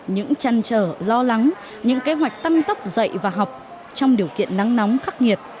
những chăn trở lo lắng những kế hoạch tăng tốc dạy và học trong điều kiện nắng nóng khắc nghiệt